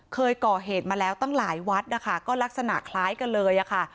เคยก่อเหตุมาแล้วตั้งหลายวัดนะคะก็ลักษณะคล้ายกันเลยอะค่ะ